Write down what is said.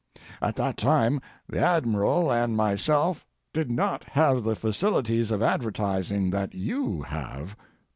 At that time the Admiral and myself did not have the facilities of advertising that you have.